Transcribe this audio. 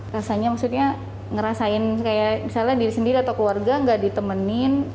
rasanya maksudnya ngerasain kayak misalnya diri sendiri atau keluarga gak ditemenin